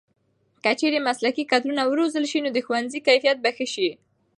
که چېرې مسلکي کدرونه وروزل شي نو د ښوونې کیفیت به ښه شي.